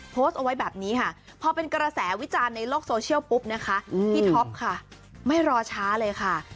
โพสต์เอาไว้แบบนี้ค่ะพอเป็นกระแสวิจารณ์ในโลกโซเชียลปุ๊บนะคะพี่ท็อปค่ะไม่รอช้าเลยค่ะ